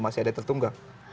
masih ada tertunggak